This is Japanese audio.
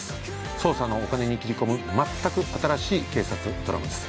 捜査のお金に斬り込む全く新しい警察ドラマです。